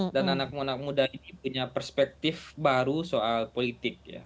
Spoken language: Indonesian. dan anak anak muda ini punya perspektif baru soal politik ya